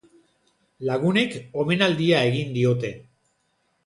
Lagunek omenaldia egin diote.